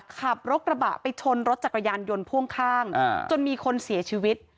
ขับรถกระบะไปชนรถจักรยานยนต์พ่วงข้างจนมีคนเสียชีวิต